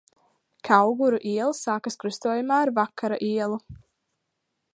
Kauguru iela sākas krustojumā ar Vakara ielu.